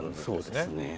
そうですね。